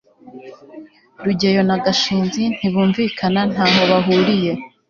rugeyo na gashinzi ntibumvikana ntaho bahuriye